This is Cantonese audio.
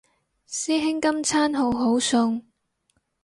師兄今餐好好餸